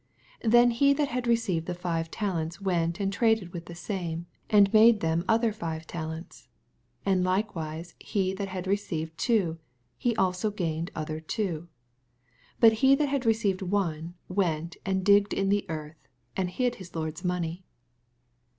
16 Then he that had received the five taleuts went and traded with the same, and made them other five tal ents. 17 And likewise he that had receiv ed two, he also gained other two. 18 But he that had received one went and digged in the earth, and hid his lord's money.